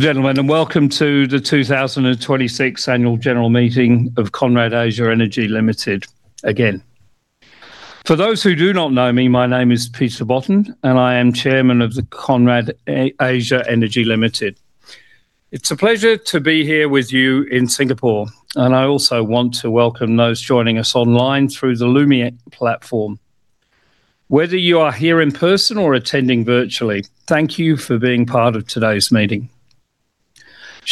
Gentlemen, and welcome to the 2026 Annual General Meeting of Conrad Asia Energy Ltd again. For those who do not know me, my name is Peter Botten, and I am chairman of the Conrad Asia Energy L. It's a pleasure to be here with you in Singapore, and I also want to welcome those joining us online through the Lumi platform. Whether you are here in person or attending virtually, thank you for being part of today's meeting.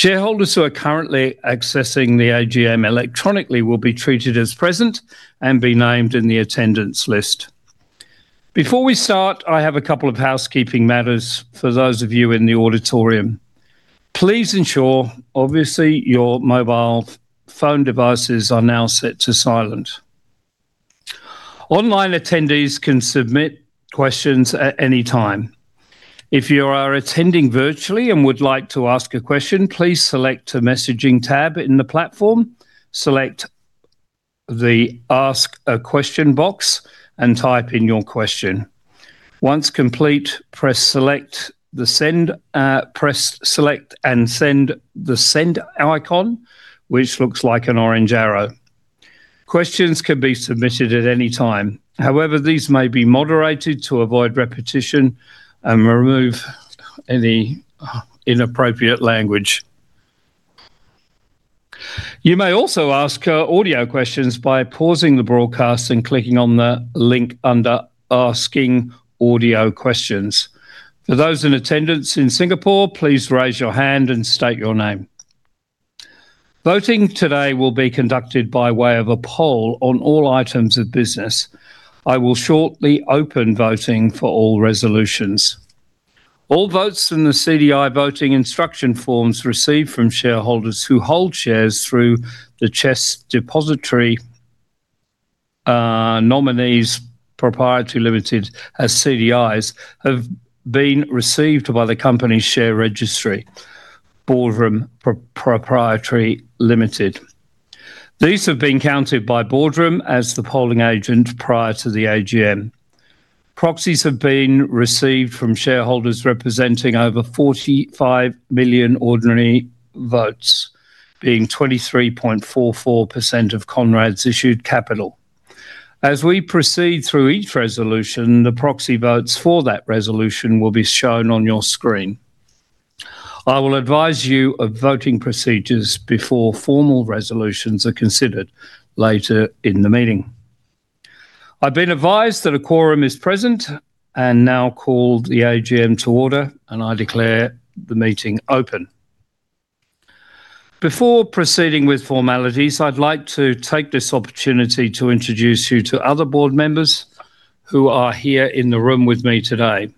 Shareholders who are currently accessing the AGM electronically will be treated as present and be named in the attendance list. Before we start, I have a couple of housekeeping matters for those of you in the auditorium. Please ensure, obviously, your mobile phone devices are now set to silent. Online attendees can submit questions at any time. If you are attending virtually and would like to ask a question, please select the Messaging tab in the platform, select the Ask a Question box, and type in your question. Once complete, press select and send the send icon, which looks like an orange arrow. Questions can be submitted at any time. However, these may be moderated to avoid repetition and remove any inappropriate language. You may also ask audio questions by pausing the broadcast and clicking on the link under Asking Audio Questions. For those in attendance in Singapore, please raise your hand and state your name. Voting today will be conducted by way of a poll on all items of business. I will shortly open voting for all resolutions. All votes in the CDI voting instruction forms received from shareholders who hold shares through the CHESS Depository Nominees Pty Limited as CDIs have been received by the company share registry, Boardroom Pty Limited. These have been counted by Boardroom Pty Limited as the polling agent prior to the AGM. Proxies have been received from shareholders representing over 45 million ordinary votes, being 23.44% of Conrad's issued capital. As we proceed through each resolution, the proxy votes for that resolution will be shown on your screen. I will advise you of voting procedures before formal resolutions are considered later in the meeting. I've been advised that a quorum is present and now call the AGM to order, and I declare the meeting open. Before proceeding with formalities, I'd like to take this opportunity to introduce you to other board members who are here in the room with me today.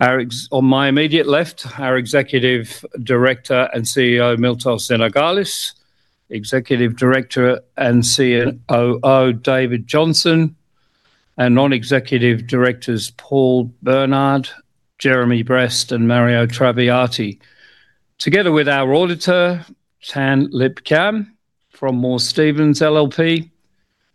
On my immediate left, our Executive Director and CEO, Miltos Xynogalas, Executive Director and COO, David Johnson, and Non-Executive Directors Paul Bernard, Jeremy Brest, and Mario Traviati. Together with our auditor, Tan Lip Kam from Moore Stephens LLP,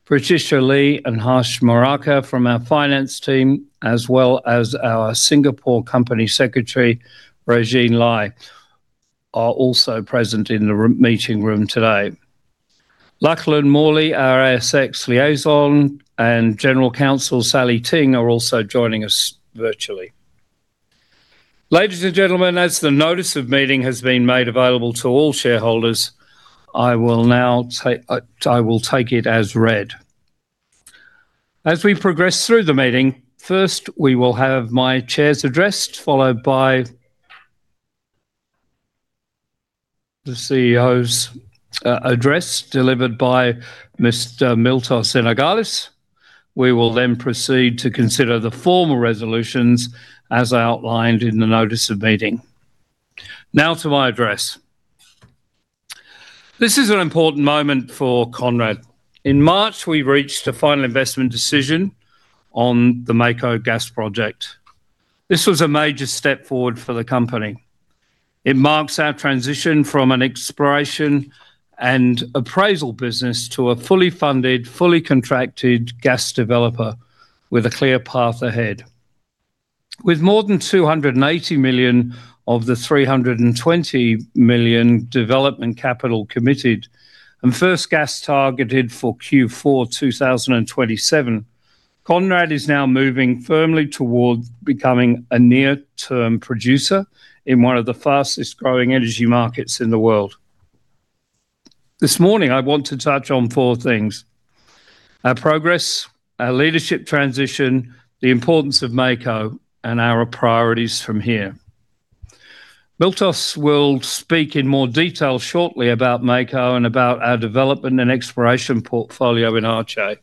Patricia Lee and Harsh Moraca from our finance team, as well as our Singapore Company Secretary, Rojean Lai, are also present in the meeting room today. Lachlan Morley, our ASX liaison, and General Counsel, Sally Ting, are also joining us virtually. Ladies and gentlemen, as the notice of meeting has been made available to all shareholders, I will take it as read. As we progress through the meeting, first, we will have my Chair's address, followed by the CEO's address delivered by Mr. Miltos Xynogalas. We will proceed to consider the formal resolutions as outlined in the notice of meeting. Now to my address. This is an important moment for Conrad. In March, we reached a final investment decision on the Mako Gas Project. This was a major step forward for the company. It marks our transition from an exploration and appraisal business to a fully funded, fully contracted gas developer with a clear path ahead. With more than $280 million of the $320 million development capital committed and first gas targeted for Q4 2027, Conrad is now moving firmly towards becoming a near-term producer in one of the fastest-growing energy markets in the world. This morning I want to touch on four things: our progress, our leadership transition, the importance of Mako, and our priorities from here. Miltos will speak in more detail shortly about Mako and about our development and exploration portfolio in Aceh.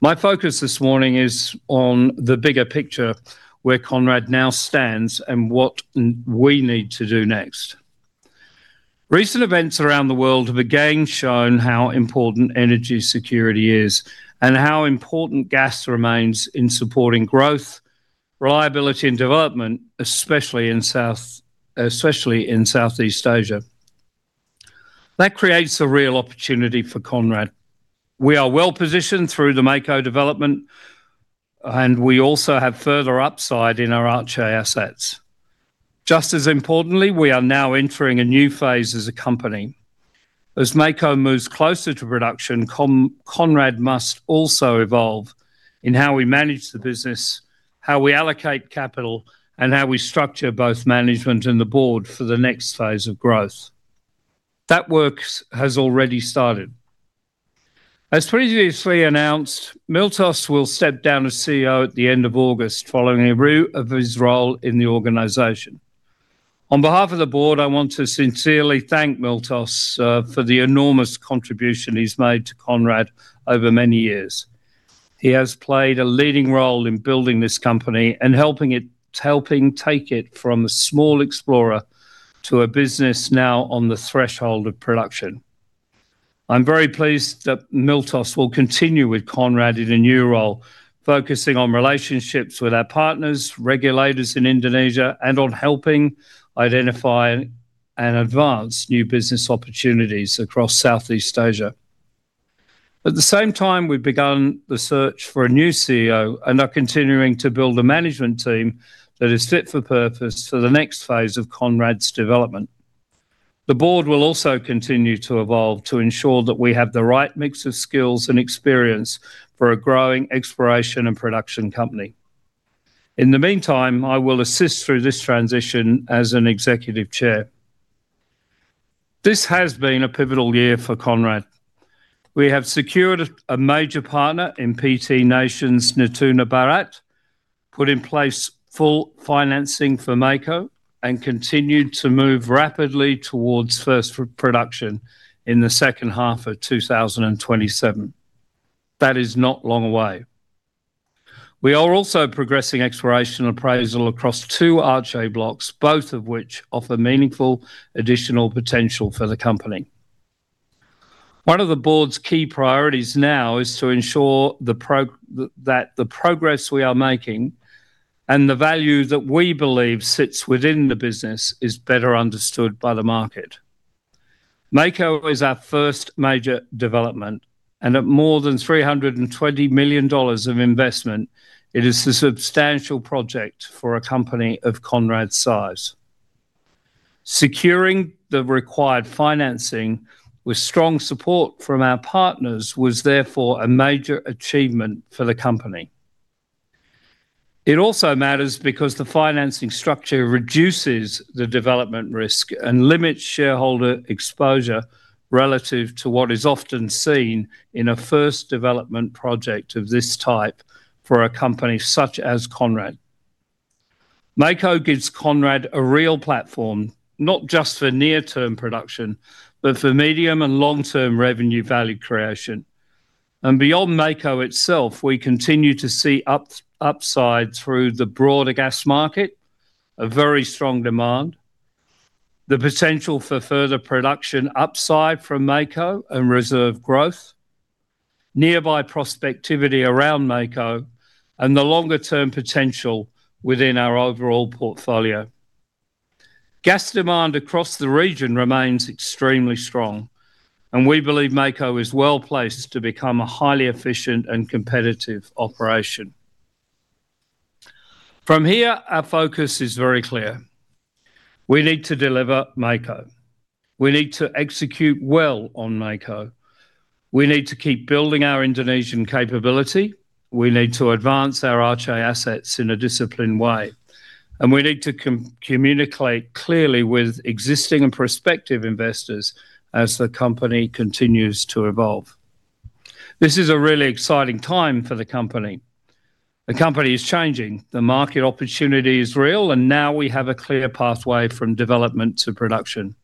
My focus this morning is on the bigger picture, where Conrad now stands and what we need to do next. Recent events around the world have again shown how important energy security is and how important gas remains in supporting growth, reliability, and development, especially in Southeast Asia. That creates a real opportunity for Conrad. We are well-positioned through the Mako development, and we also have further upside in our Aceh assets. Just as importantly, we are now entering a new phase as a company. As Mako moves closer to production, Conrad must also evolve in how we manage the business, how we allocate capital, and how we structure both management and the board for the next phase of growth. That work has already started. As previously announced, Miltos will step down as CEO at the end of August following a review of his role in the organization. On behalf of the board, I want to sincerely thank Miltos for the enormous contribution he's made to Conrad over many years. He has played a leading role in building this company and helping take it from a small explorer to a business now on the threshold of production. I'm very pleased that Miltos will continue with Conrad in a new role, focusing on relationships with our partners, regulators in Indonesia, and on helping identify and advance new business opportunities across Southeast Asia. At the same time, we've begun the search for a new CEO and are continuing to build a management team that is fit for purpose for the next phase of Conrad's development. The board will also continue to evolve to ensure that we have the right mix of skills and experience for a growing exploration and production company. In the meantime, I will assist through this transition as an Executive Chairman. This has been a pivotal year for Conrad. We have secured a major partner in PT Nations Natuna Barat, put in place full financing for Mako, and continued to move rapidly towards first production in the second half of 2027. That is not long away. We are also progressing exploration appraisal across two Aceh blocks, both of which offer meaningful additional potential for the company. One of the board's key priorities now is to ensure that the progress we are making and the value that we believe sits within the business is better understood by the market. Mako is our first major development, and at more than $320 million of investment, it is a substantial project for a company of Conrad's size. Securing the required financing with strong support from our partners was therefore a major achievement for the company. It also matters because the financing structure reduces the development risk and limits shareholder exposure relative to what is often seen in a first development project of this type for a company such as Conrad. Mako gives Conrad a real platform, not just for near-term production, but for medium and long-term revenue value creation. Beyond Mako itself, we continue to see upside through the broader gas market, a very strong demand, the potential for further production upside from Mako and reserve growth, nearby prospectivity around Mako, and the longer-term potential within our overall portfolio. Gas demand across the region remains extremely strong, and we believe Mako is well-placed to become a highly efficient and competitive operation. From here, our focus is very clear. We need to deliver Mako. We need to execute well on Mako. We need to keep building our Indonesian capability. We need to advance our Aceh assets in a disciplined way, and we need to communicate clearly with existing and prospective investors as the company continues to evolve. This is a really exciting time for the company. The company is changing, the market opportunity is real, and now we have a clear pathway from development to production.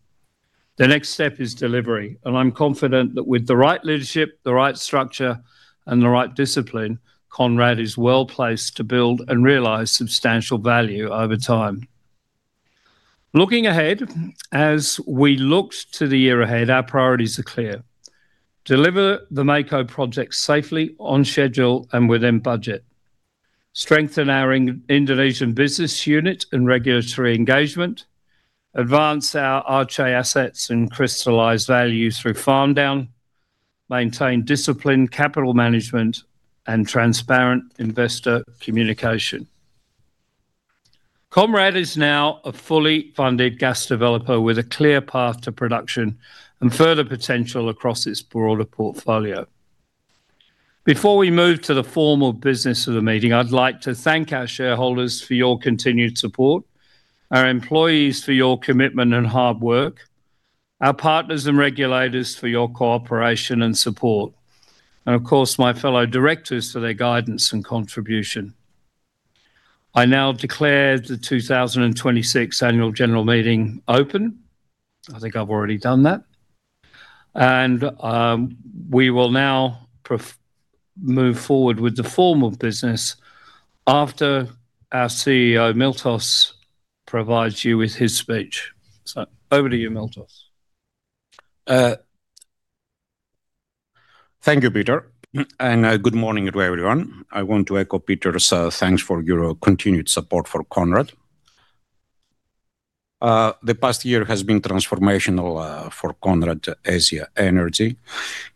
The next step is delivery, and I'm confident that with the right leadership, the right structure, and the right discipline, Conrad is well-placed to build and realize substantial value over time. Looking ahead, as we look to the year ahead, our priorities are clear. Deliver the Mako project safely, on schedule, and within budget. Strengthen our Indonesian business unit and regulatory engagement. Advance our Aceh assets and crystallize value through farm-down. Maintain disciplined capital management and transparent investor communication. Conrad is now a fully funded gas developer with a clear path to production and further potential across its broader portfolio. Before we move to the formal business of the meeting, I'd like to thank our shareholders for your continued support, our employees for your commitment and hard work, our partners and regulators for your cooperation and support, and of course, my fellow directors for their guidance and contribution. I now declare the 2026 annual general meeting open. I think I've already done that. We will now move forward with the formal business after our CEO, Miltos, provides you with his speech. Over to you, Miltos. Thank you, Peter, and good morning to everyone. I want to echo Peter's thanks for your continued support for Conrad. The past year has been transformational for Conrad Asia Energy.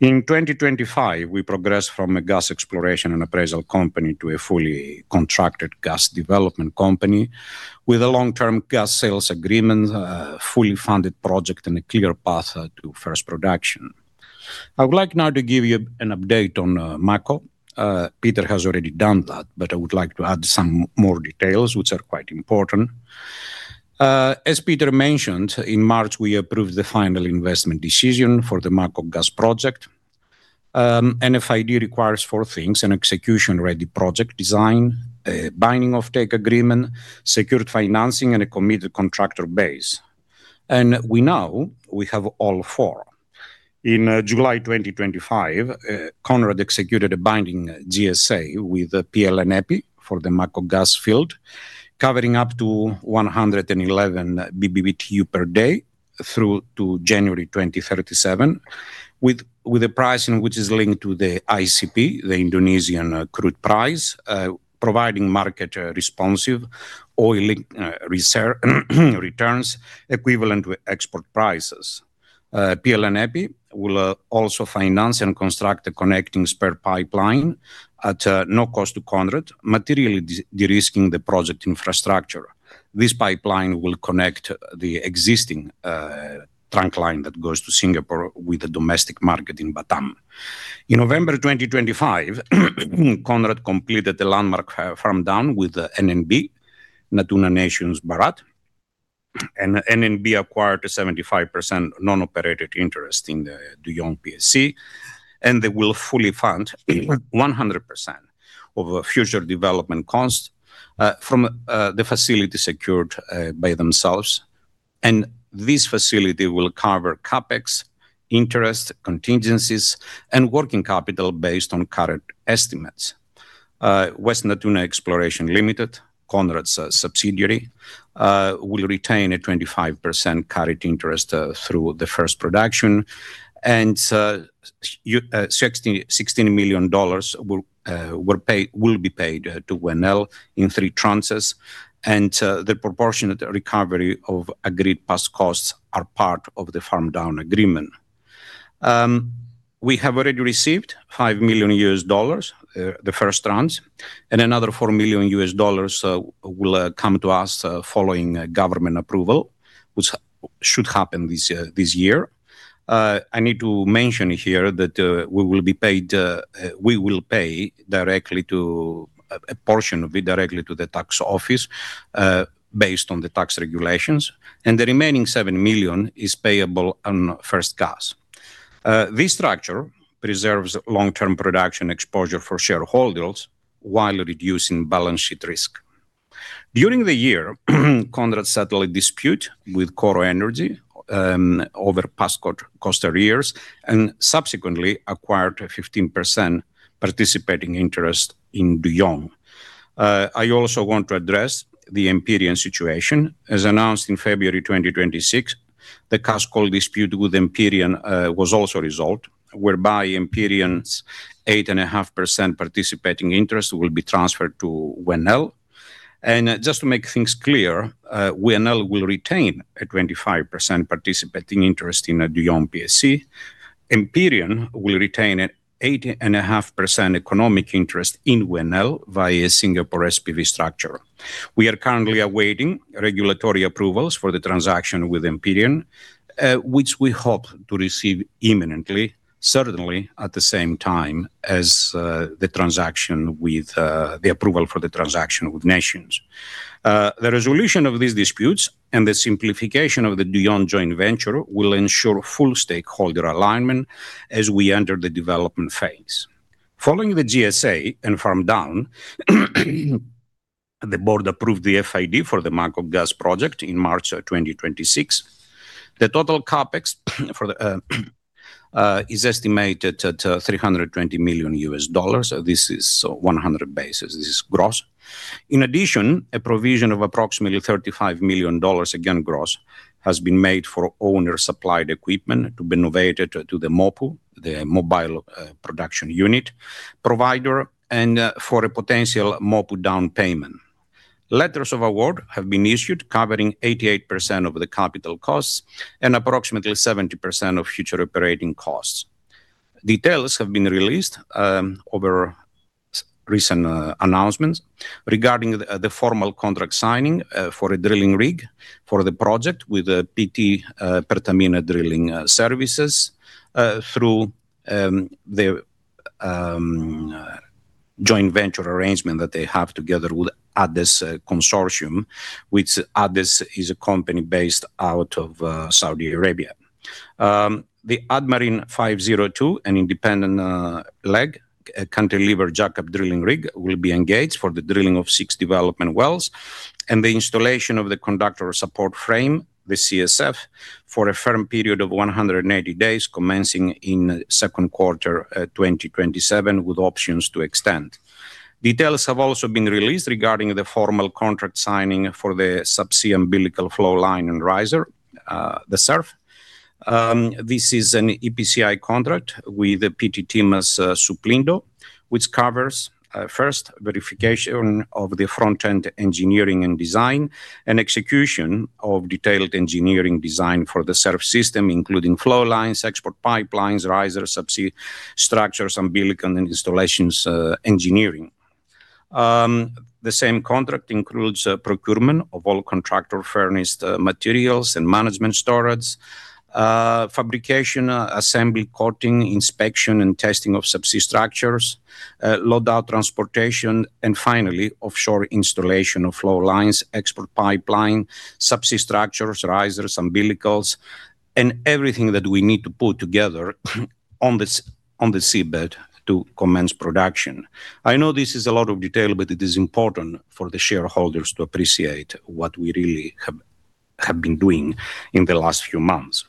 In 2025, we progressed from a gas exploration and appraisal company to a fully contracted gas development company with a long-term gas sales agreement, a fully funded project, and a clear path to first production. I would like now to give you an update on Mako. Peter has already done that, but I would like to add some more details, which are quite important. As Peter mentioned, in March, we approved the final investment decision for the Mako gas project. An FID requires four things, an execution-ready project design, a binding offtake agreement, secured financing, and a committed contractor base. We now have all four. In July 2025, Conrad executed a binding GSA with PLN EPI for the Mako Gas Field, covering up to 111 BBtu/day through to January 2037, with a pricing which is linked to the ICP, the Indonesian crude price, providing market responsive oil returns equivalent with export prices. PLN EPI will also finance and construct a connecting spare pipeline at no cost to Conrad, materially de-risking the project infrastructure. This pipeline will connect the existing trunk line that goes to Singapore with the domestic market in Batam. In November 2025, Conrad completed the landmark farm down with NNB, PT Nations Natuna Barat. NNB acquired a 75% non-operated interest in the Duyung PSC, and they will fully fund 100% of future development costs from the facility secured by themselves. This facility will cover CapEx, interest, contingencies, and working capital based on current estimates. West Natuna Exploration Limited, Conrad's subsidiary, will retain a 25% carried interest through the first production, $16 million will be paid to WNEL in three tranches, the proportionate recovery of agreed past costs are part of the farm down agreement. We have already received $5 million, the first tranche, another $4 million will come to us following government approval, which should happen this year. I need to mention here that we will pay a portion of it directly to the tax office based on the tax regulations, the remaining $7 million is payable on first gas. This structure preserves long-term production exposure for shareholders while reducing balance sheet risk. During the year, Conrad settled a dispute with Coro Energy over past cost arrears and subsequently acquired a 15% participating interest in Duyung. I also want to address the Empyrean situation. As announced in February 2026, the cash call dispute with Empyrean was also resolved, whereby Empyrean's 8.5% participating interest will be transferred to WNEL. Just to make things clear, WNEL will retain a 25% participating interest in a Duyung PSC. Empyrean will retain an 8.5% economic interest in WNEL via Singapore SPV structure. We are currently awaiting regulatory approvals for the transaction with Empyrean, which we hope to receive imminently, certainly at the same time as the approval for the transaction with Nations. The resolution of these disputes and the simplification of the Duyung joint venture will ensure full stakeholder alignment as we enter the development phase. Following the GSA and farm down, the board approved the FID for the Mako Gas Project in March 2026. The total CapEx is estimated at $320 million. This is 100 basis. This is gross. In addition, a provision of approximately $35 million, again, gross, has been made for owner-supplied equipment to be novated to the Mobile Production Unit provider and for a potential Mobile Production Unit down payment. Letters of award have been issued covering 88% of the capital costs and approximately 70% of future operating costs. Details have been released over recent announcements regarding the formal contract signing for a drilling rig for the project with PT Pertamina Drilling Services Indonesia through their joint venture arrangement that they have together with PDSI–ADES Consortium, which ADES is a company based out of Saudi Arabia. The Admarine 502, an independent-leg cantilever jackup drilling rig, will be engaged for the drilling of six development wells and the installation of the conductor support frame, the CSF, for a firm period of 180 days, commencing in the second quarter 2027, with options to extend. Details have also been released regarding the formal contract signing for the subsea umbilical flow line and riser, the SURF. This is an EPCI contract with PT Timas Suplindo, which covers first verification of the front-end engineering and design and execution of detailed engineering design for the SURF system, including flow lines, export pipelines, risers, subsea structures, umbilicals, and installations engineering. The same contract includes procurement of all contractor-furnished materials and management storage, fabrication, assembly, coating, inspection, and testing of subsea structures, load-out, transportation, and finally, offshore installation of flow lines, export pipeline, subsea structures, risers, umbilicals, and everything that we need to put together on the seabed to commence production. I know this is a lot of detail, but it is important for the shareholders to appreciate what we really have been doing in the last few months.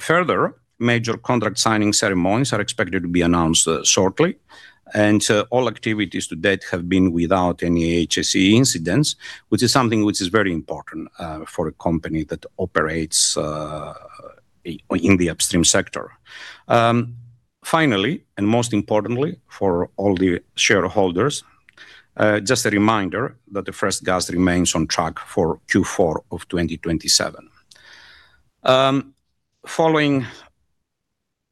Further major contract signing ceremonies are expected to be announced shortly, all activities to date have been without any HSE incidents, which is something which is very important for a company that operates in the upstream sector. Finally, most importantly for all the shareholders, just a reminder that the first gas remains on track for Q4 of 2027. Following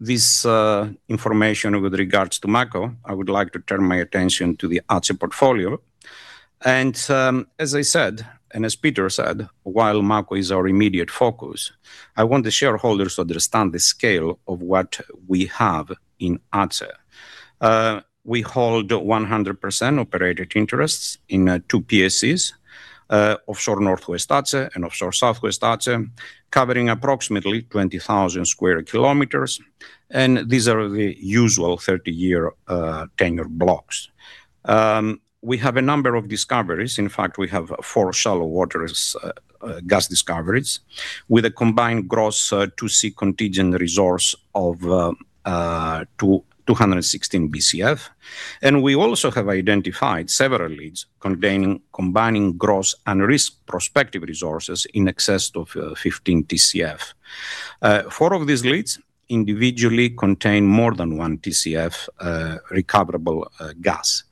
this information with regards to Mako, I would like to turn my attention to the Aceh portfolio. As I said, as Peter said, while Mako is our immediate focus, I want the shareholders to understand the scale of what we have in Aceh. We hold 100% operated interests in two PSCs, Offshore Northwest Aceh and Offshore Southwest Aceh, covering approximately 20,000 sq km. These are the usual 30-year tenure blocks. We have a number of discoveries. In fact, we have four shallow waters gas discoveries with a combined gross 2C contingent resource of 216 Bcf. We also have identified several leads combining gross and risk prospective resources in excess of 15 Tcf. Four of these leads individually contain more than 1 Tcf recoverable gas.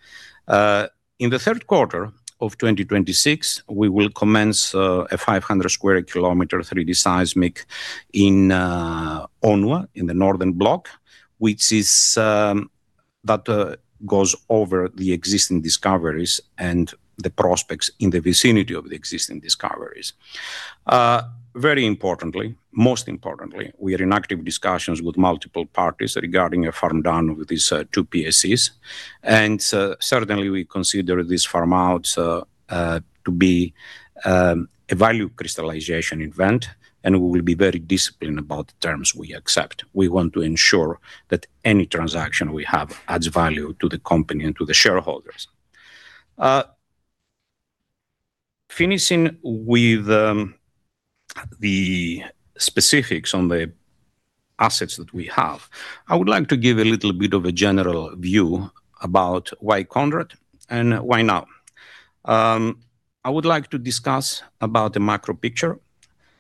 In the third quarter of 2026, we will commence a 500 sq km 3D seismic in ONWA, in the northern block, that goes over the existing discoveries and the prospects in the vicinity of the existing discoveries. Very importantly, most importantly, we are in active discussions with multiple parties regarding a farm-down with these two PSCs. Certainly, we consider these farm-outs to be a value crystallization event, and we will be very disciplined about the terms we accept. We want to ensure that any transaction we have adds value to the company and to the shareholders. Finishing with the specifics on the assets that we have, I would like to give a little bit of a general view about why Conrad and why now. I would like to discuss about the macro picture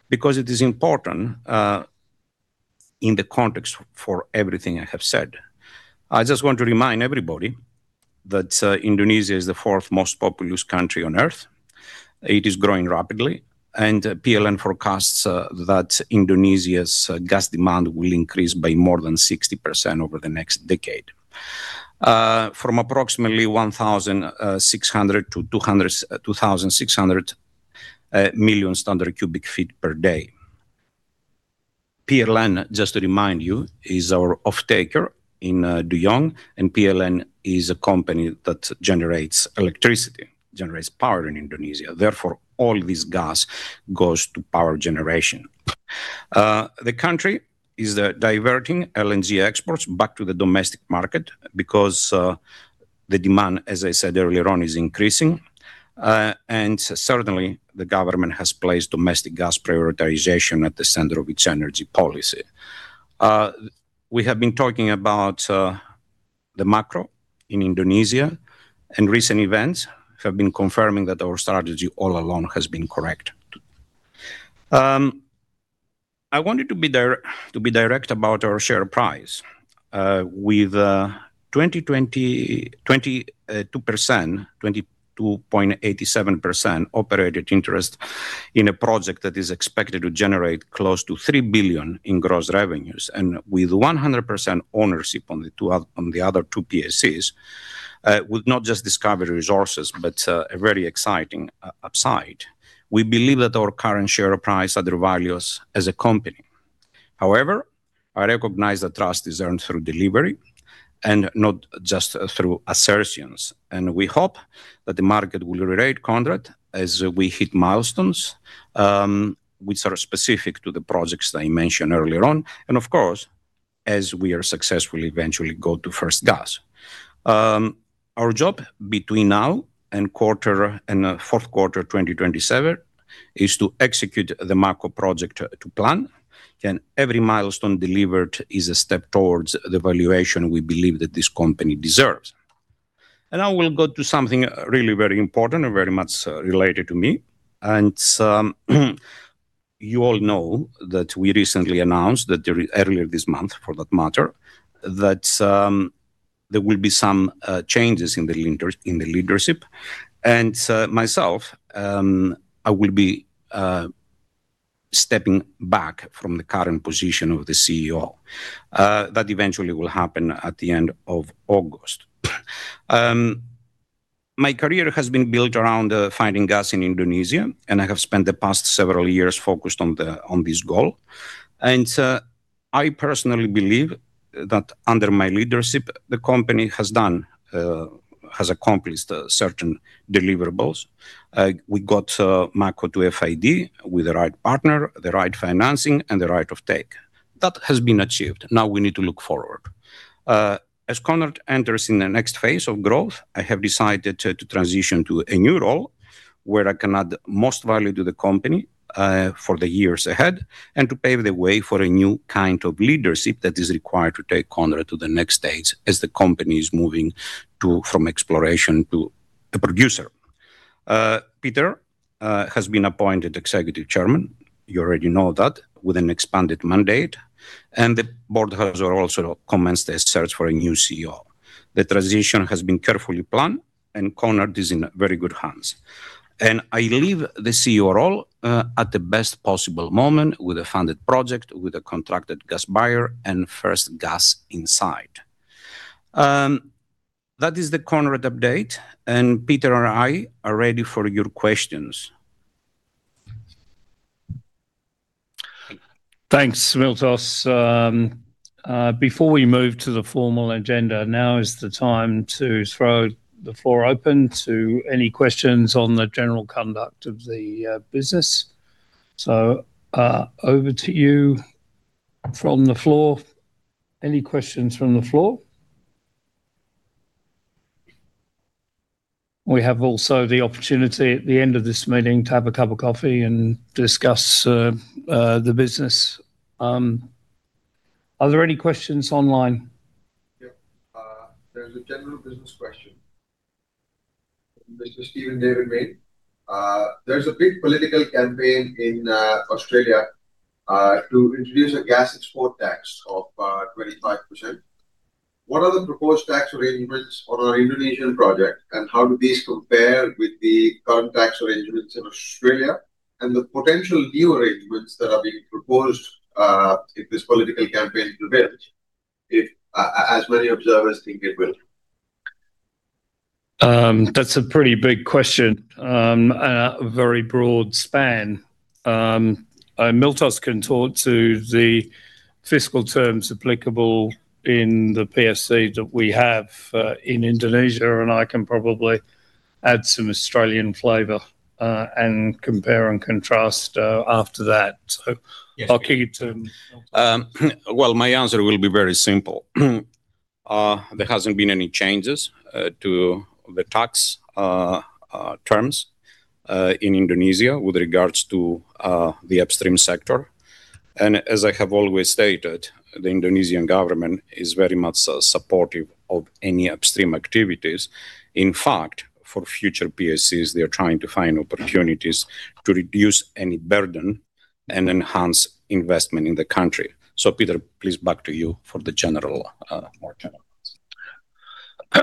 because it is important in the context for everything I have said. I just want to remind everybody that Indonesia is the fourth most populous country on Earth. It is growing rapidly, PLN forecasts that Indonesia's gas demand will increase by more than 60% over the next decade. From approximately 1,600 MMscfd-2,600 MMscfd. PLN, just to remind you, is our offtaker in Duyung, PLN is a company that generates electricity, generates power in Indonesia. Therefore, all this gas goes to power generation. The country is diverting LNG exports back to the domestic market because the demand, as I said earlier on, is increasing. Certainly, the government has placed domestic gas prioritization at the center of its energy policy. We have been talking about the macro in Indonesia, and recent events have been confirming that our strategy all along has been correct. I wanted to be direct about our share price. With 22.87% operated interest in a project that is expected to generate close to $3 billion in gross revenues, and with 100% ownership on the other two PSCs, with not just discovered resources, but a very exciting upside. We believe that our current share price undervalues as a company. I recognize that trust is earned through delivery and not just through assertions. We hope that the market will rate Conrad as we hit milestones, which are specific to the projects that I mentioned earlier on. Of course, as we are successful, eventually go to first gas. Our job between now and fourth quarter 2027 is to execute the Mako project to plan, and every milestone delivered is a step towards the valuation we believe that this company deserves. Now we'll go to something really very important and very much related to me. You all know that we recently announced, earlier this month for that matter, that there will be some changes in the leadership. Myself, I will be stepping back from the current position of the CEO. That eventually will happen at the end of August. My career has been built around finding gas in Indonesia, and I have spent the past several years focused on this goal. I personally believe that under my leadership, the company has accomplished certain deliverables. We got Mako to FID with the right partner, the right financing, and the right of take. That has been achieved, now we need to look forward. As Conrad enters in the next phase of growth, I have decided to transition to a new role where I can add most value to the company, for the years ahead, and to pave the way for a new kind of leadership that is required to take Conrad to the next stage as the company is moving from exploration to a producer. Peter has been appointed Executive Chairman, you already know that, with an expanded mandate. The board has also commenced a search for a new CEO. The transition has been carefully planned and Conrad is in very good hands. I leave the CEO role at the best possible moment with a funded project, with a contracted gas buyer, and first gas in sight. That is the Conrad update, and Peter and I are ready for your questions. Thanks, Miltos. Before we move to the formal agenda, now is the time to throw the floor open to any questions on the general conduct of the business. Over to you from the floor. Any questions from the floor? We have also the opportunity at the end of this meeting to have a cup of coffee and discuss the business. Are there any questions online? Yeah. There's a general business question. This is Stephen David Mayne. There's a big political campaign in Australia to introduce a gas export tax of 25%. What are the proposed tax arrangements for our Indonesian project, and how do these compare with the current tax arrangements in Australia and the potential new arrangements that are being proposed, if this political campaign prevails, as many observers think it will? That's a pretty big question, a very broad span. Miltos can talk to the fiscal terms applicable in the PSC that we have in Indonesia, I can probably add some Australian flavor, compare and contrast after that. Well, my answer will be very simple. There hasn't been any changes to the tax terms in Indonesia with regards to the upstream sector. As I have always stated, the Indonesian government is very much supportive of any upstream activities. In fact, for future PSCs, they are trying to find opportunities to reduce any burden and enhance investment in the country. Peter, please back to you for the more general.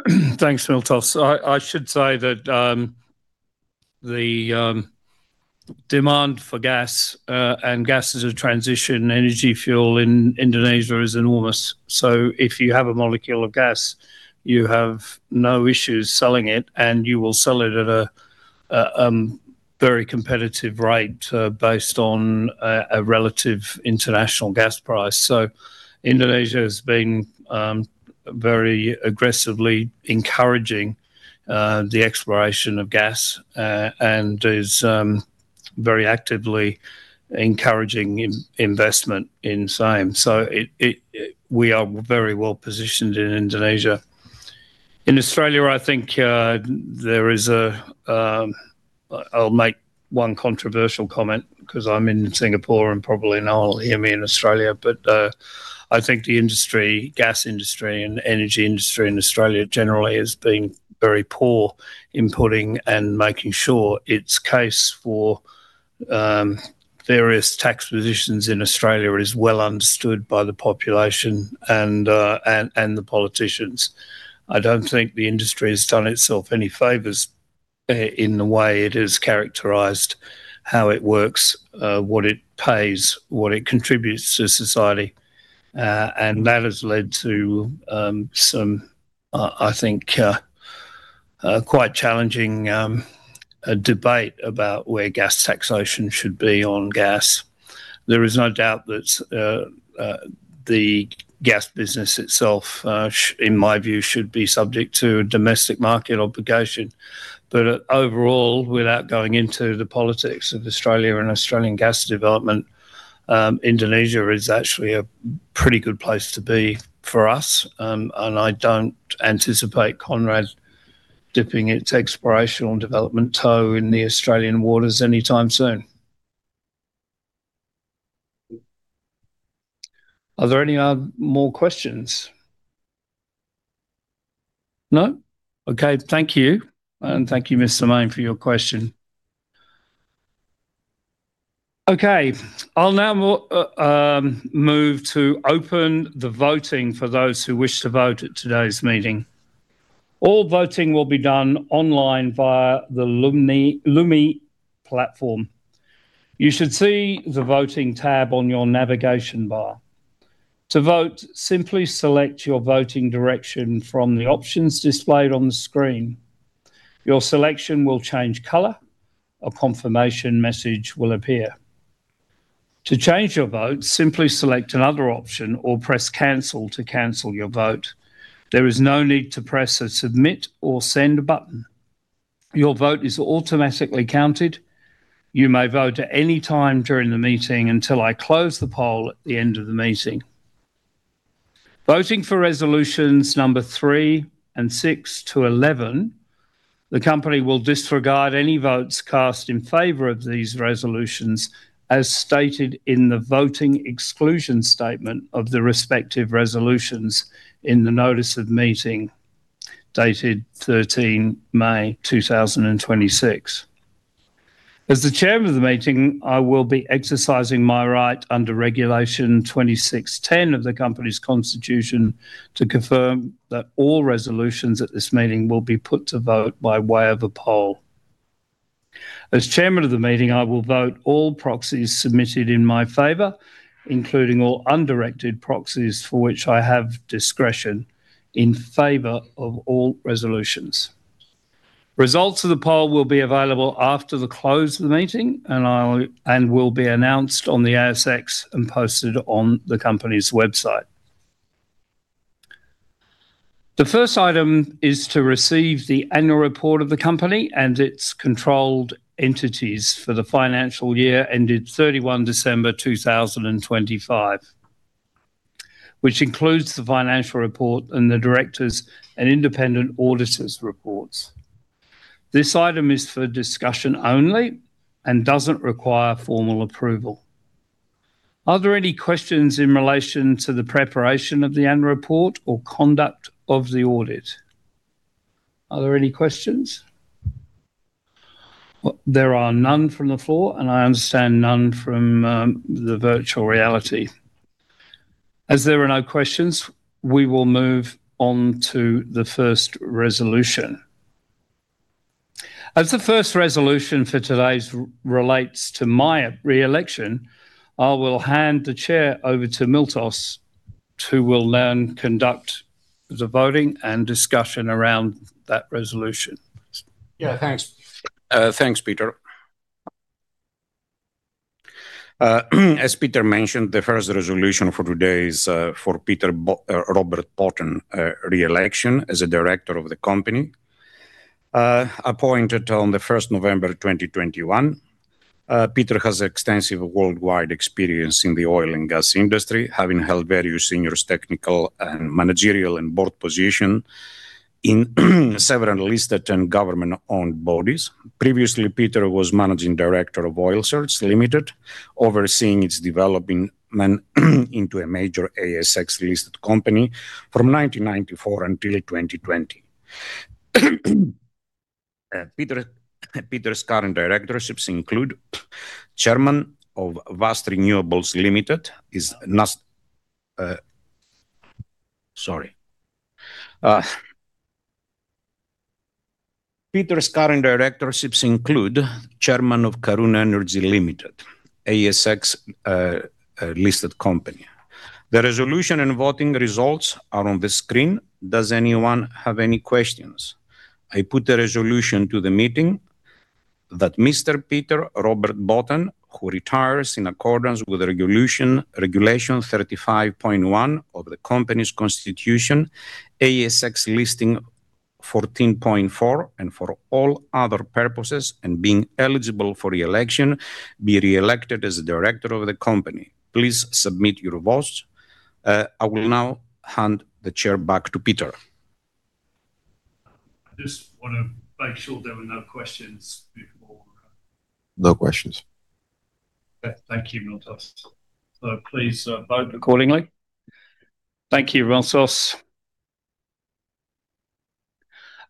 Thanks, Miltos. I should say that the demand for gas as a transition energy fuel in Indonesia is enormous. If you have a molecule of gas, you have no issues selling it, you will sell it at a very competitive rate, based on a relative international gas price. Indonesia has been very aggressively encouraging the exploration of gas, is very actively encouraging investment in same. We are very well positioned in Indonesia. In Australia, I'll make one controversial comment because I'm in Singapore and probably no one will hear me in Australia. I think the gas industry and energy industry in Australia generally has been very poor in putting and making sure its case for various tax positions in Australia is well understood by the population and the politicians. I don't think the industry has done itself any favors in the way it has characterized how it works, what it pays, what it contributes to society. That has led to some, I think quite challenging debate about where gas taxation should be on gas. There is no doubt that the gas business itself, in my view, should be subject to a domestic market obligation. Overall, without going into the politics of Australia and Australian gas development, Indonesia is actually a pretty good place to be for us, and I don't anticipate Conrad dipping its exploration and development toe in the Australian waters anytime soon. Are there any more questions? No? Okay. Thank you. And thank you, Mr. Mayne, for your question. Okay. I'll now move to open the voting for those who wish to vote at today's meeting. All voting will be done online via the Lumi platform. You should see the Voting tab on your navigation bar. To vote, simply select your voting direction from the options displayed on the screen. Your selection will change color. A confirmation message will appear. To change your vote, simply select another option or press Cancel to cancel your vote. There is no need to press a Submit or Send button. Your vote is automatically counted. You may vote at any time during the meeting until I close the poll at the end of the meeting. Voting for Resolutions 3 and Resolutions 6-11, the company will disregard any votes cast in favor of these resolutions, as stated in the voting exclusion statement of the respective resolutions in the notice of meeting, dated 13 May 2026. As the chairman of the meeting, I will be exercising my right under Regulation 26.10 of the company's constitution to confirm that all resolutions at this meeting will be put to vote by way of a poll. As chairman of the meeting, I will vote all proxies submitted in my favor, including all undirected proxies for which I have discretion, in favor of all resolutions. Results of the poll will be available after the close of the meeting and will be announced on the ASX and posted on the company's website. The first item is to receive the annual report of the company and its controlled entities for the financial year ended 31 December 2025, which includes the financial report and the directors' and independent auditors' reports. This item is for discussion only and doesn't require formal approval. Are there any questions in relation to the preparation of the annual report or conduct of the audit? Are there any questions? There are none from the floor, and I understand none from the virtual reality. There are no questions, we will move on to the first resolution. The first resolution for today relates to my re-election, I will hand the chair over to Miltos, who will then conduct the voting and discussion around that resolution. Yeah, thanks. Thanks, Peter. As Peter mentioned, the first resolution for today is for Peter Robert Botten re-election as a director of the company, appointed on the 1st November 2021. Peter has extensive worldwide experience in the oil and gas industry, having held various senior technical and managerial and board position in several listed and government-owned bodies. Previously, Peter was managing director of Oil Search Limited, overseeing its development into a major ASX-listed company from 1994 until 2020. Peter's current directorships include chairman of Vast Renewables Limited. Sorry. Peter's current directorships include chairman of Karoon Energy Ltd, ASX-listed company. The resolution and voting results are on the screen. Does anyone have any questions? I put the resolution to the meeting that Mr. Peter Robert Botten, who retires in accordance with Regulation 35.1 of the company's constitution, ASX Listing 14.4, and for all other purposes, and being eligible for re-election, be re-elected as a director of the company. Please submit your votes. I will now hand the chair back to Peter. I just want to make sure there were no questions before. No questions. Thank you, Miltos. Please vote accordingly. Thank you, Miltos.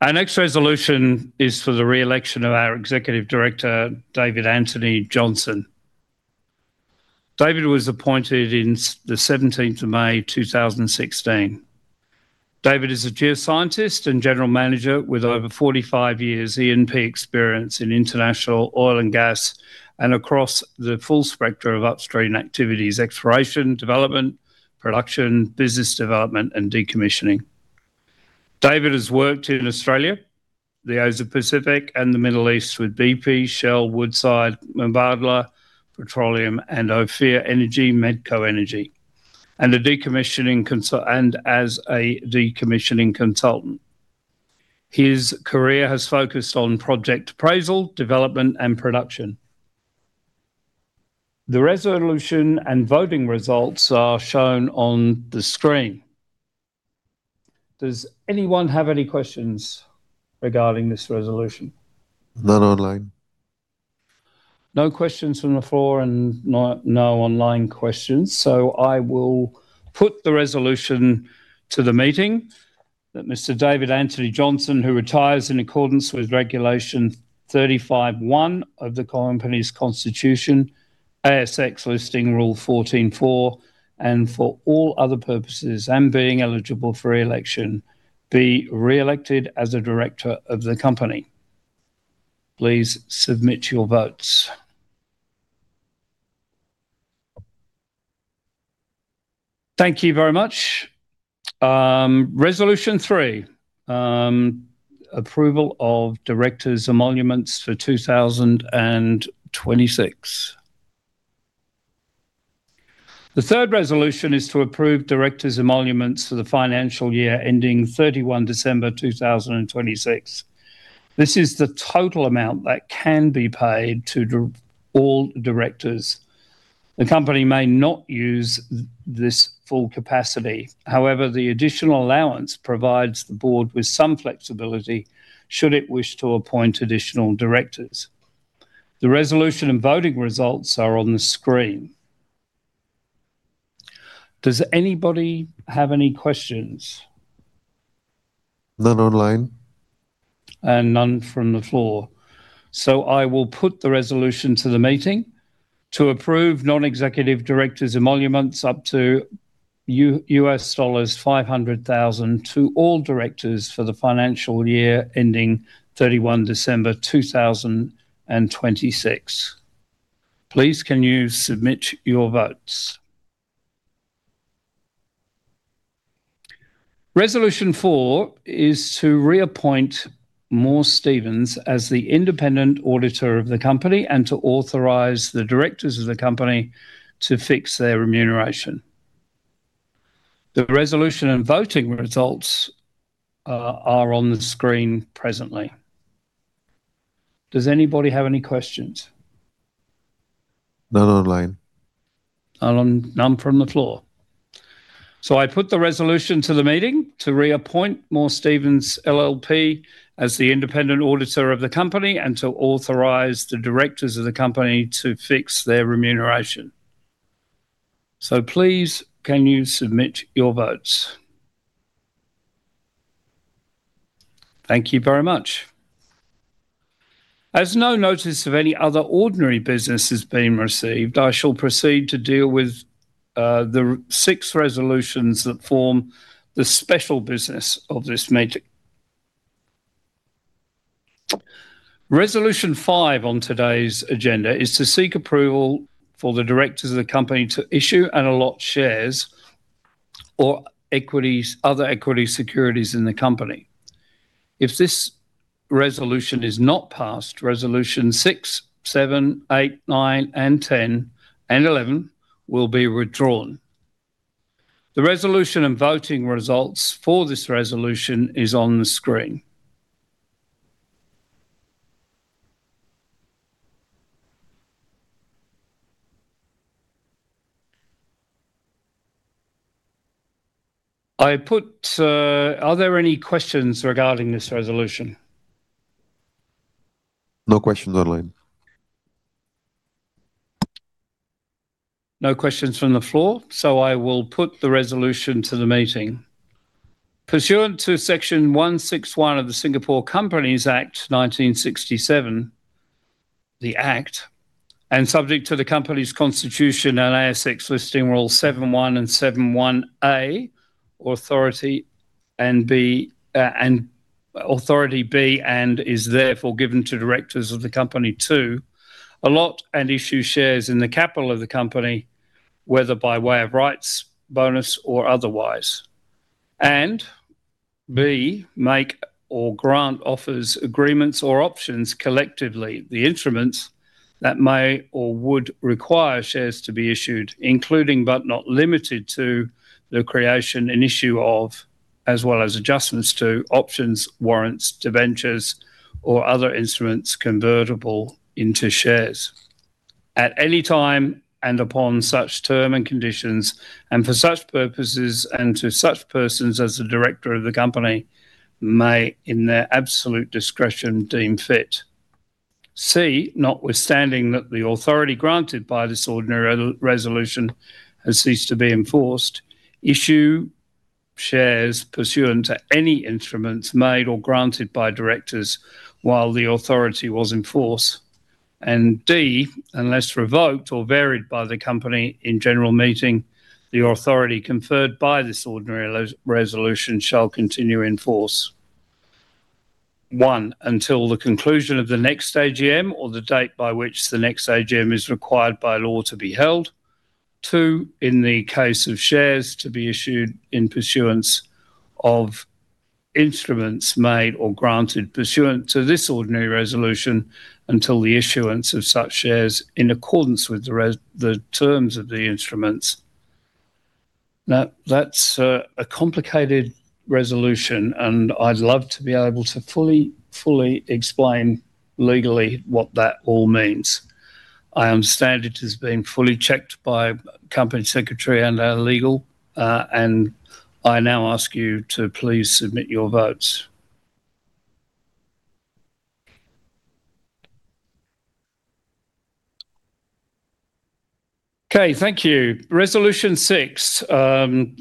Our next resolution is for the re-election of our Executive Director, David Anthony Johnson. David was appointed in the 17th of May 2016. David is a geoscientist and general manager with over 45 years E&P experience in international oil and gas and across the full spectrum of upstream activities: exploration, development, production, business development, and decommissioning. David has worked in Australia, the Asia Pacific, and the Middle East with BP, Shell, Woodside, Mubadala Petroleum, Ophir Energy, Medco Energi, and as a decommissioning consultant. His career has focused on project appraisal, development, and production. The resolution and voting results are shown on the screen. Does anyone have any questions regarding this resolution? None online. No questions from the floor and no online questions. I will put the resolution to the meeting that Mr. David Anthony Johnson, who retires in accordance with Regulation 35 (1) of the company's constitution, ASX Listing Rule 14.4, and for all other purposes, and being eligible for re-election, be re-elected as a director of the company. Please submit your votes. Thank you very much. Resolution 3, approval of directors' emoluments for 2026. The third resolution is to approve directors' emoluments for the financial year ending 31 December 2026. This is the total amount that can be paid to all directors. The company may not use this full capacity. However, the additional allowance provides the board with some flexibility should it wish to appoint additional directors. The resolution and voting results are on the screen. Does anybody have any questions? None online. None from the floor. I will put the resolution to the meeting to approve non-executive directors' emoluments up to $500,000 to all directors for the financial year ending 31 December 2026. Please can you submit your votes. Resolution 4 is to reappoint Moore Stephens as the independent auditor of the company and to authorize the directors of the company to fix their remuneration. The resolution and voting results are on the screen presently. Does anybody have any questions? None online. None from the floor. I put the resolution to the meeting to reappoint Moore Stephens LLP as the independent auditor of the company and to authorize the directors of the company to fix their remuneration. Please can you submit your votes. Thank you very much. As no notice of any other ordinary business has been received, I shall proceed to deal with the Resolution 6 that form the special business of this meeting. Resolution 5 on today's agenda is to seek approval for the directors of the company to issue and allot shares or other equity securities in the company. If this resolution is not passed, Resolution 6, 7, 8, 9, 10 and 11 will be withdrawn. The resolution and voting results for this resolution is on the screen. Are there any questions regarding this resolution? No questions online. No questions from the floor. I will put the resolution to the meeting. Pursuant to Section 161 of the Singapore Companies Act 1967, the Act, and subject to the company's constitution and ASX Listing Rule 7.1 and 7.1A, authority be and is therefore given to directors of the company to allot and issue shares in the capital of the company, whether by way of rights, bonus or otherwise. B, make or grant offers, agreements, or options collectively, the instruments that may or would require shares to be issued, including but not limited to the creation and issue of, as well as adjustments to options, warrants, debentures, or other instruments convertible into shares. At any time and upon such term and conditions and for such purposes and to such persons as the director of the company may, in their absolute discretion, deem fit. C, notwithstanding that the authority granted by this ordinary resolution has ceased to be in force, issue shares pursuant to any instruments made or granted by directors while the authority was in force. D, unless revoked or varied by the company in general meeting, the authority conferred by this ordinary resolution shall continue in force, one, until the conclusion of the next AGM or the date by which the next AGM is required by law to be held. Two, in the case of shares to be issued in pursuance of instruments made or granted pursuant to this ordinary resolution, until the issuance of such shares in accordance with the terms of the instruments. That's a complicated resolution. I'd love to be able to fully explain legally what that all means. I understand it has been fully checked by Company Secretary and our legal. I now ask you to please submit your votes. Thank you. Resolution 6,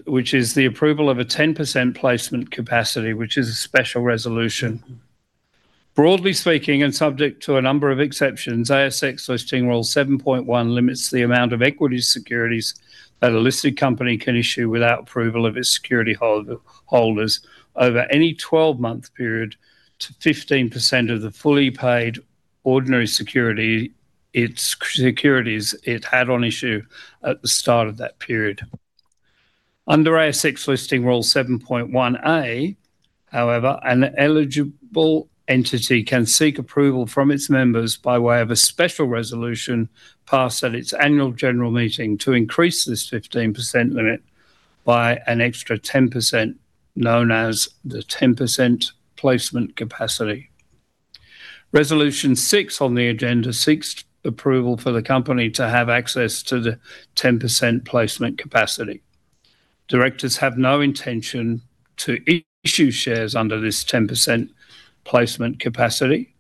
which is the approval of a 10% placement capacity, which is a special resolution. Broadly speaking, subject to a number of exceptions, ASX Listing Rule 7.1 limits the amount of equity securities that a listed company can issue without approval of its security holders over any 12-month period to 15% of the fully paid ordinary securities it had on issue at the start of that period. Under ASX Listing Rule 7.1A, however, an eligible entity can seek approval from its members by way of a special resolution passed at its annual general meeting to increase this 15% limit by an extra 10%, known as the 10% placement capacity. Resolution 6 on the agenda seeks approval for the company to have access to the 10% placement capacity. Directors have no intention to issue shares under this 10% placement capacity.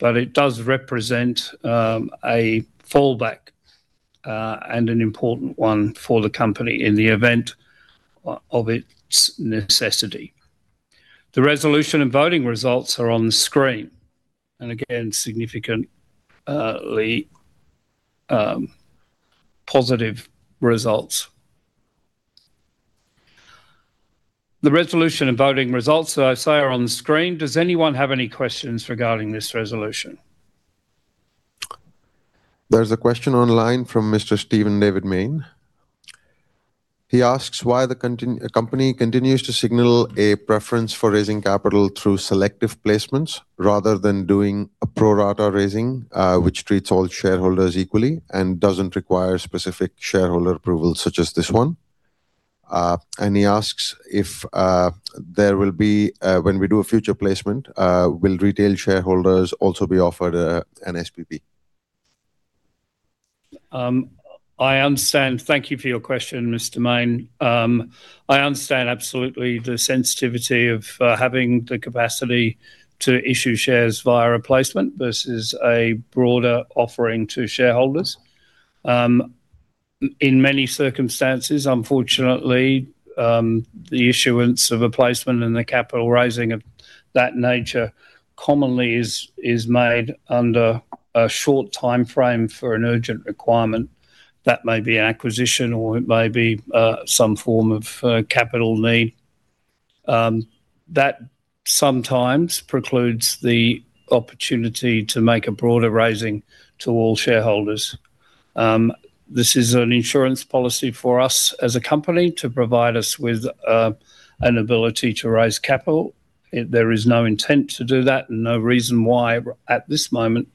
It does represent a fallback, an important one for the company in the event of its necessity. The resolution and voting results are on the screen. Again, significantly positive results. The resolution and voting results, as I say, are on the screen. Does anyone have any questions regarding this resolution? There's a question online from Mr. Stephen David Mayne. He asks why the company continues to signal a preference for raising capital through selective placements rather than doing a pro-rata raising, which treats all shareholders equally and does not require specific shareholder approval such as this one. He asks if there will be, when we do a future placement, will retail shareholders also be offered an SPP? Thank you for your question, Mr. Mayne. I understand absolutely the sensitivity of having the capacity to issue shares via a placement versus a broader offering to shareholders. In many circumstances, unfortunately, the issuance of a placement and the capital raising of that nature commonly is made under a short timeframe for an urgent requirement. That may be an acquisition, or it may be some form of capital need. That sometimes precludes the opportunity to make a broader raising to all shareholders. This is an insurance policy for us as a company to provide us with an ability to raise capital. There is no intent to do that and no reason why, at this moment,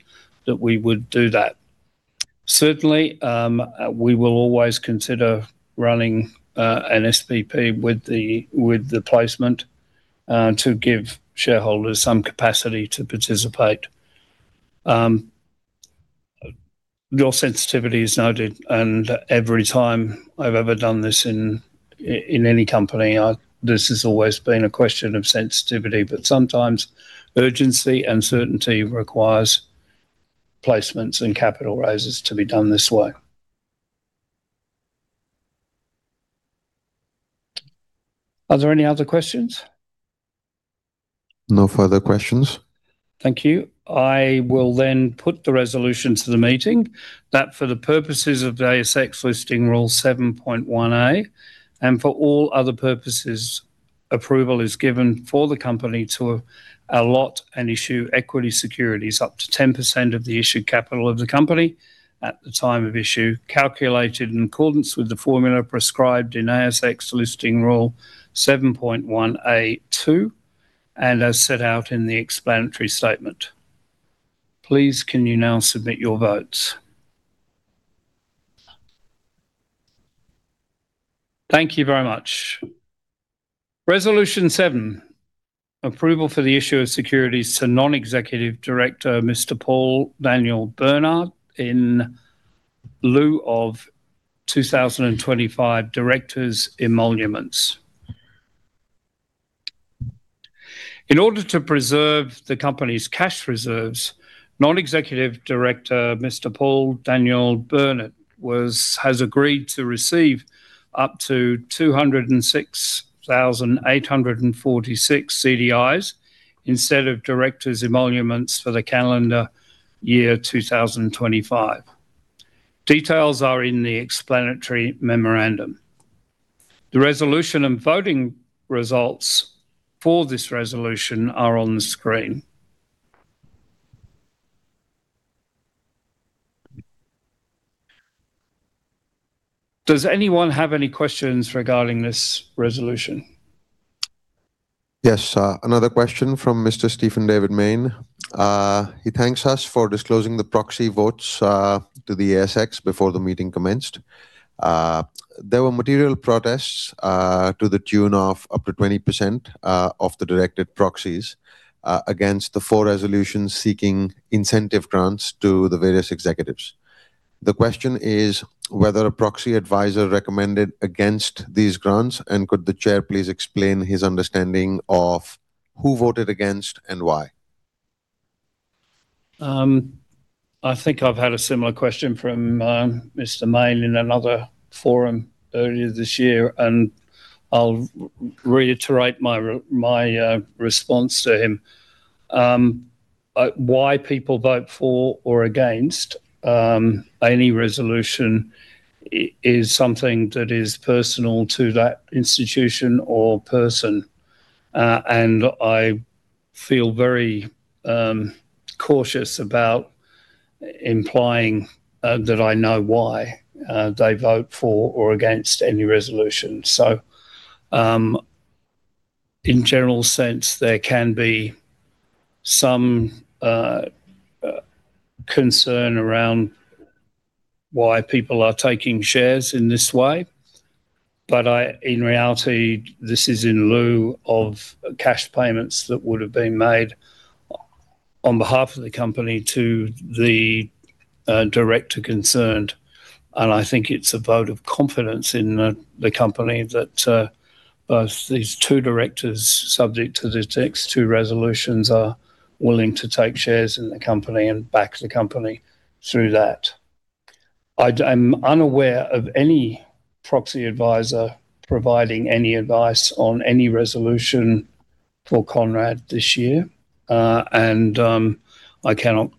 that we would do that. Certainly, we will always consider running an SPP with the placement to give shareholders some capacity to participate. Your sensitivity is noted. Every time I've ever done this in any company, this has always been a question of sensitivity. Sometimes urgency and certainty requires placements and capital raises to be done this way. Are there any other questions? No further questions. Thank you. I will put the resolution to the meeting. That for the purposes of the ASX Listing Rule 7.1A, and for all other purposes, approval is given for the company to allot and issue equity securities up to 10% of the issued capital of the company at the time of issue, calculated in accordance with the formula prescribed in ASX Listing Rule 7.1A2 and as set out in the explanatory statement. Please, can you now submit your votes? Thank you very much. Resolution 7, approval for the issue of securities to Non-Executive Director, Mr. Paul Daniel Bernard, in lieu of 2025 directors' emoluments. In order to preserve the company's cash reserves, Non-Executive Director, Mr. Paul Daniel Bernard, has agreed to receive up to 206,846 CDIs instead of directors' emoluments for the calendar year 2025. Details are in the explanatory memorandum. The resolution and voting results for this resolution are on the screen. Does anyone have any questions regarding this resolution? Yes. Another question from Mr. Stephen David Mayne. He thanks us for disclosing the proxy votes to the ASX before the meeting commenced. There were material protests to the tune of up to 20% of the directed proxies against the four resolutions seeking incentive grants to the various executives. The question is whether a proxy advisor recommended against these grants, and could the chair please explain his understanding of who voted against and why? I think I've had a similar question from Mr. Mayne in another forum earlier this year. I'll reiterate my response to him. Why people vote for or against any resolution is something that is personal to that institution or person. I feel very cautious about implying that I know why they vote for or against any resolution. In general sense, there can be some concern around why people are taking shares in this way. In reality, this is in lieu of cash payments that would've been made on behalf of the company to the director concerned. I think it's a vote of confidence in the company that both these two directors, subject to the text, two resolutions are willing to take shares in the company and back the company through that. I'm unaware of any proxy advisor providing any advice on any resolution for Conrad this year. I cannot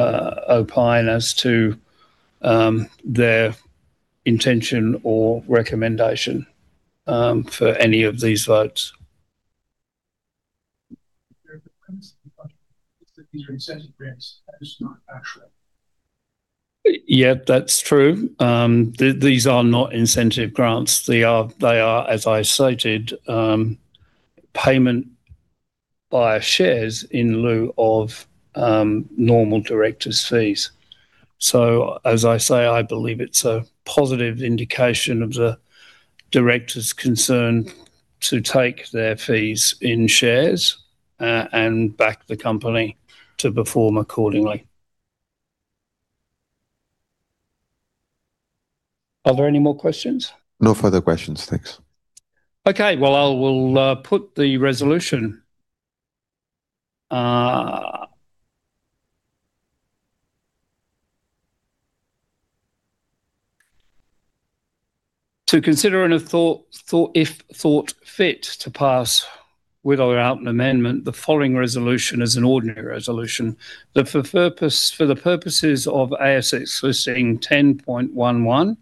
opine as to their intention or recommendation for any of these votes. The premise of the question is that these are incentive grants. That is not accurate. Yeah, that's true. These are not incentive grants. They are, as I stated, payment via shares in lieu of normal directors' fees. As I say, I believe it's a positive indication of the directors concerned to take their fees in shares, and back the company to perform accordingly. Are there any more questions? No further questions. Thanks. Well, I will put the resolution to consider, and if thought fit, to pass, with or without an amendment, the following resolution as an ordinary resolution. That for the purposes of ASX Listing Rule 10.11,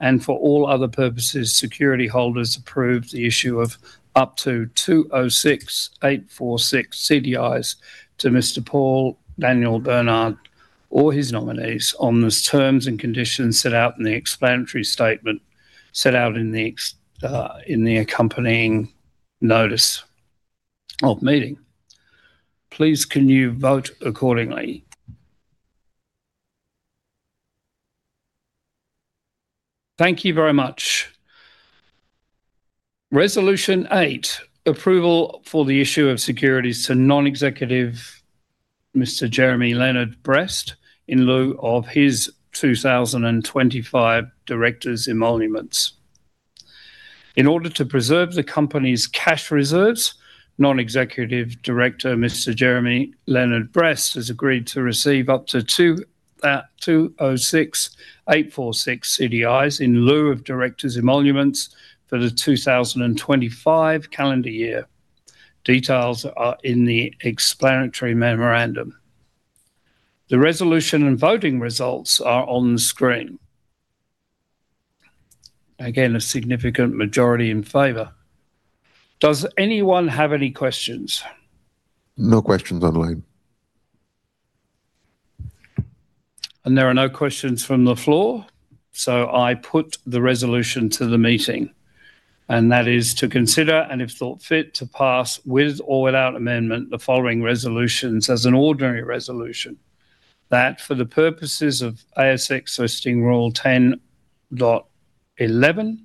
and for all other purposes, security holders approve the issue of up to 206,846 CDIs to Mr. Paul Daniel Bernard or his nominees on the terms and conditions set out in the explanatory statement, set out in the accompanying notice of meeting. Please, can you vote accordingly? Thank you very much. Resolution 8, approval for the issue of securities to non-executive Mr. Jeremy Leonard Brest, in lieu of his 2025 director's emoluments. In order to preserve the company's cash reserves, non-executive director, Mr. Jeremy Leonard Brest, has agreed to receive up to 206,846 CDIs in lieu of director's emoluments for the 2025 calendar year. Details are in the explanatory memorandum. The resolution and voting results are on the screen. Again, a significant majority in favor. Does anyone have any questions? No questions online. There are no questions from the floor. I put the resolution to the meeting. That is to consider, and if thought fit, to pass, with or without amendment, the following resolutions as an ordinary resolution. That for the purposes of ASX Listing Rule 10.11,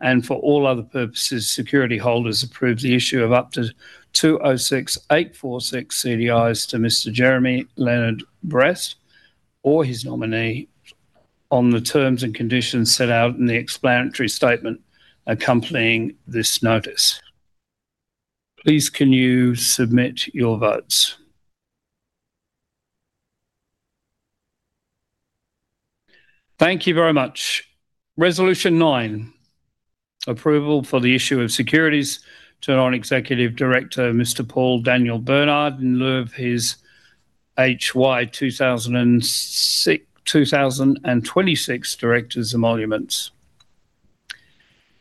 and for all other purposes, security holders approve the issue of up to 206,846 CDIs to Mr. Jeremy Leonard Brest or his nominee on the terms and conditions set out in the explanatory statement accompanying this notice. Please can you submit your votes? Thank you very much. Resolution 9 Approval for the issue of securities to non-executive director, Mr. Paul Daniel Bernard, in lieu of his HY 2026 director's emoluments.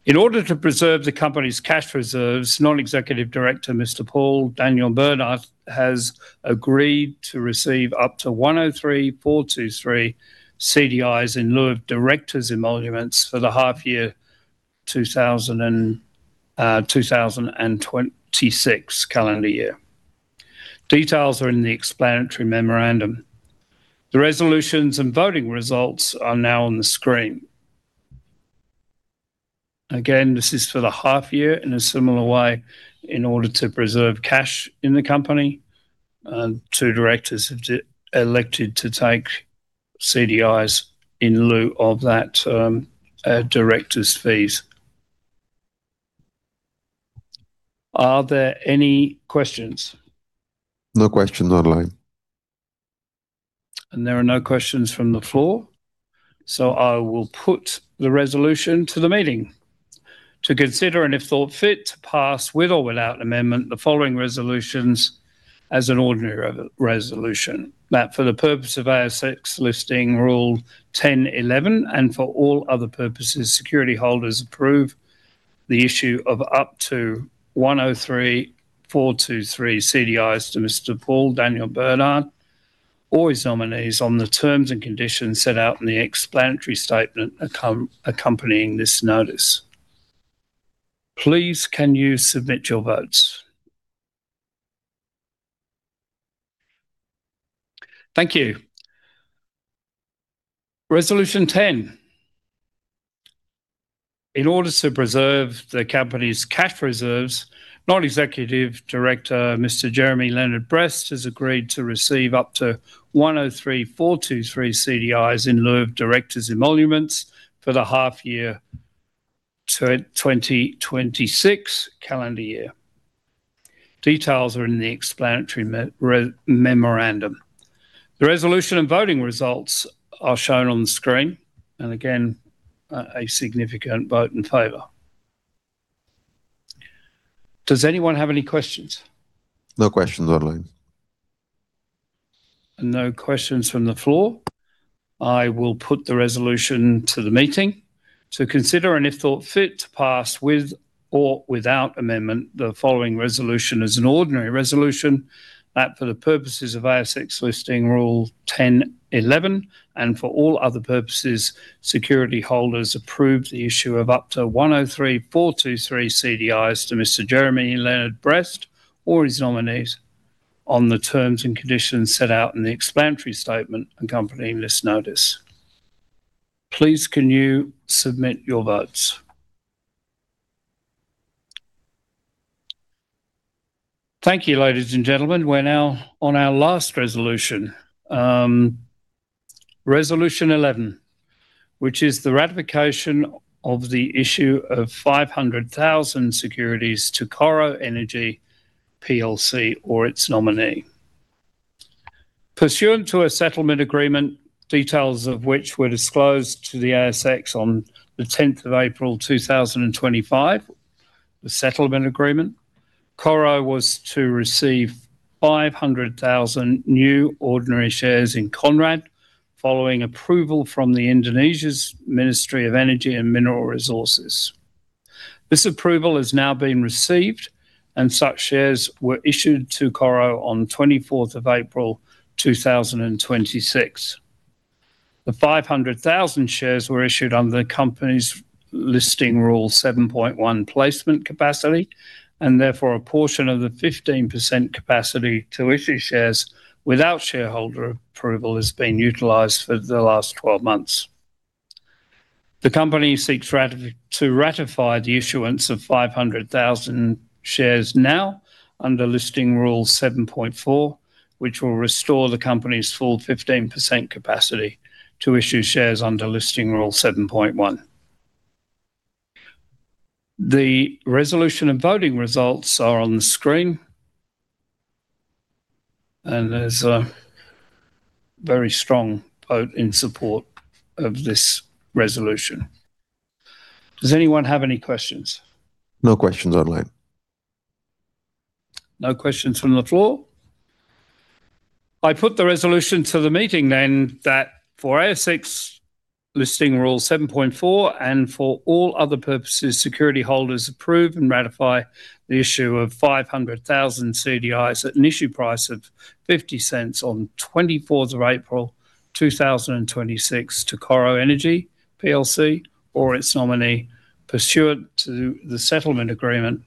In order to preserve the company's cash reserves, non-executive director, Mr. Paul Daniel Bernard, has agreed to receive up to 103,423 CDIs in lieu of director's emoluments for the half year 2026 calendar year. Details are in the explanatory memorandum. The resolutions and voting results are now on the screen. Again, this is for the half year in a similar way, in order to preserve cash in the company. Two directors have elected to take CDIs in lieu of that director's fees. Are there any questions? No questions online. There are no questions from the floor. I will put the resolution to the meeting to consider, and if thought fit, pass, with or without amendment, the following resolutions as an ordinary resolution. That for the purpose of ASX Listing Rule 10.11, and for all other purposes, security holders approve the issue of up to 103,423 CDIs to Mr. Paul Daniel Bernard or his nominees on the terms and conditions set out in the explanatory statement accompanying this notice. Please can you submit your votes? Thank you. Resolution 10. In order to preserve the company's cash reserves, non-executive director, Mr. Jeremy Leonard Brest, has agreed to receive up to 103,423 CDIs in lieu of director's emoluments for the half year 2026 calendar year. Details are in the explanatory memorandum. The resolution and voting results are shown on the screen. Again, a significant vote in favor. Does anyone have any questions? No questions online. No questions from the floor. I will put the resolution to the meeting to consider, and if thought fit, pass, with or without amendment, the following resolution as an ordinary resolution. That for the purposes of ASX Listing Rule 10.11, and for all other purposes, security holders approve the issue of up to 103,423 CDIs to Mr. Jeremy Leonard Brest or his nominees on the terms and conditions set out in the explanatory statement accompanying this notice. Please can you submit your votes? Thank you, ladies and gentlemen. We're now on our last resolution. Resolution 11, which is the ratification of the issue of 500,000 securities to Coro Energy plc or its nominee. Pursuant to a settlement agreement, details of which were disclosed to the ASX on the 10th of April 2025. The settlement agreement. Coro was to receive 500,000 new ordinary shares in Conrad following approval from the Indonesia's Ministry of Energy and Mineral Resources. This approval has now been received, and such shares were issued to Coro on 24th of April 2026. The 500,000 shares were issued under the company's Listing Rule 7.1 placement capacity. Therefore, a portion of the 15% capacity to issue shares without shareholder approval has been utilized for the last 12 months. The company seeks to ratify the issuance of 500,000 shares now under Listing Rule 7.4, which will restore the company's full 15% capacity to issue shares under Listing Rule 7.1. The resolution and voting results are on the screen. There's a very strong vote in support of this resolution. Does anyone have any questions? No questions online. No questions from the floor. I put the resolution to the meeting that for ASX Listing Rule 7.4 and for all other purposes, security holders approve and ratify the issue of 500,000 CDIs at an issue price of $0.50 on 24th of April 2026 to Coro Energy plc or its nominee pursuant to the settlement agreement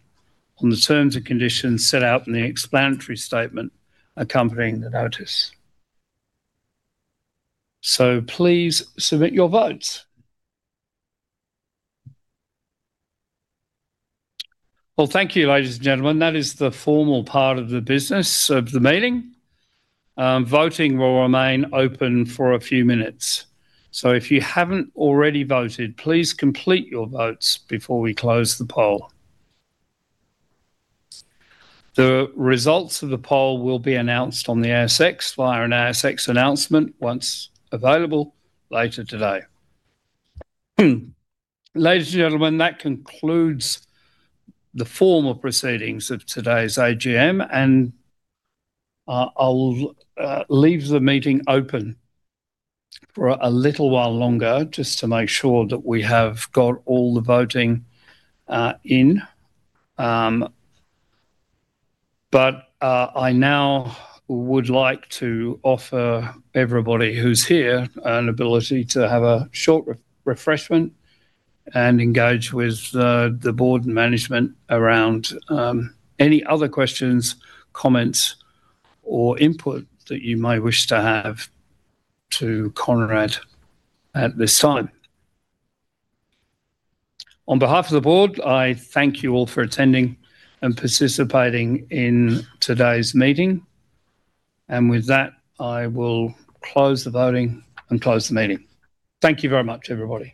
on the terms and conditions set out in the explanatory statement accompanying the notice. Please submit your votes. Well, thank you, ladies and gentlemen. That is the formal part of the business of the meeting. Voting will remain open for a few minutes. If you haven't already voted, please complete your votes before we close the poll. The results of the poll will be announced on the ASX via an ASX announcement once available later today. Ladies and gentlemen, that concludes the formal proceedings of today's AGM, and I'll leave the meeting open for a little while longer just to make sure that we have got all the voting in. I now would like to offer everybody who's here an ability to have a short refreshment and engage with the board and management around any other questions, comments, or input that you may wish to have to Conrad at this time. On behalf of the board, I thank you all for attending and participating in today's meeting. With that, I will close the voting and close the meeting. Thank you very much, everybody.